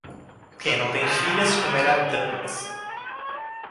Quem não tem filhas comerá donuts.